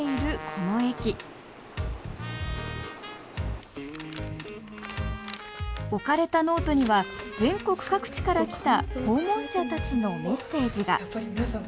この駅置かれたノートには全国各地から来た訪問者たちのメッセージがやっぱり皆さん